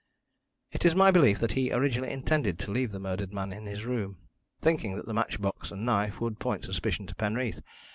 "It is my belief that he originally intended to leave the murdered man in his room, thinking that the match box and knife would point suspicion to Penreath.